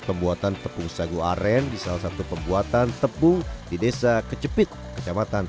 pembuatan tepung sagu aren di salah satu pembuatan tepung di desa kecepit kecamatan